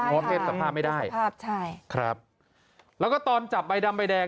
ใช่ค่ะไม่สามารถเอ็ดสภาพไม่ได้ครับแล้วก็ตอนจับใบดำใบแดง